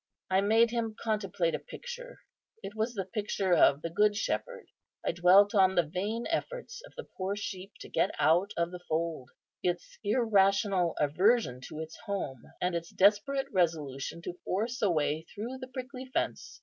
I made him contemplate a picture; it was the picture of the Good Shepherd. I dwelt on the vain efforts of the poor sheep to get out of the fold; its irrational aversion to its home, and its desperate resolution to force a way through the prickly fence.